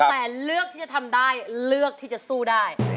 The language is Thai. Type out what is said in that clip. แต่เลือกที่จะทำได้เลือกที่จะสู้ได้